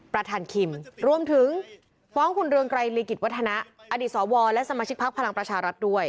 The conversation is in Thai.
คิมรวมถึงฟ้องคุณเรืองไกรลีกิจวัฒนะอดีตสวและสมาชิกพักพลังประชารัฐด้วย